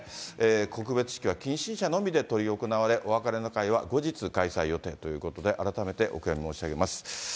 告別式は近親者のみで執り行われ、お別れの会は後日開催予定ということで、改めてお悔やみ申し上げます。